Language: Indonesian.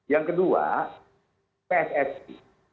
yang kedua pssp